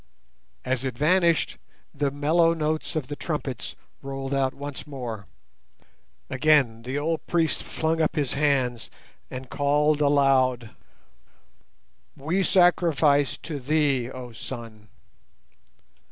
As it vanished, the mellow notes of the trumpets rolled out once more. Again the old priest flung up his hands and called aloud— We sacrifice to thee, oh Sun!